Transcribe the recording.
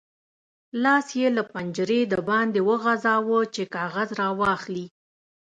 لاس یې له پنجرې د باندې وغځاوو چې کاغذ راواخلي.